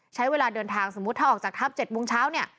ใช้เวลาเดินทางสมมุติถ้าออกจากทัพ๗โมงเช้าเนี่ย